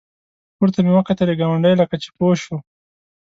پورته مې وکتلې ګاونډی لکه چې پوه شو.